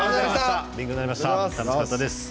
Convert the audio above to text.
楽しかったです。